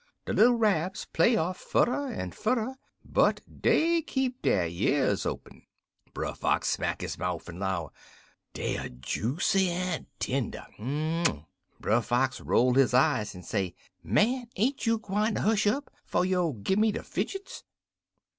"De little Rabs play off furder en furder, but dey keep der years open. "Brer Wolf smack his mouf, en 'low, 'Dey er joosy en tender.' "Brer Fox roll his eye en say, 'Man, ain't you gwine ter hush up, 'fo' you gi' me de fidgets?'